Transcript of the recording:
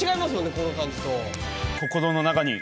この感じと。